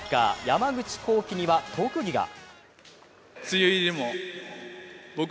山口航輝には特技が。